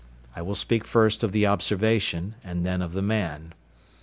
I will speak first of the observation and then of the man.